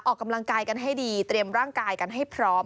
ออกกำลังกายกันให้ดีเตรียมร่างกายกันให้พร้อม